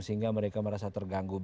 sehingga mereka merasa terganggu